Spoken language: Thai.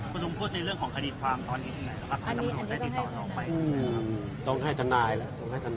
คุณลุงพูดในเรื่องของคลิกความตอนนี้ยังไงครับ